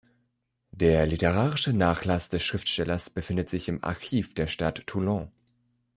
Der literarische Nachlass des Schriftstellers befindet sich im Archiv der Stadt Toulon.